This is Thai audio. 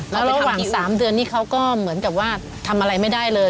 แล้วระหว่าง๓เดือนนี้เขาก็เหมือนกับว่าทำอะไรไม่ได้เลย